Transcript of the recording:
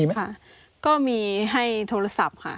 อากาศมีทำให้โทรศัพท์ค่ะ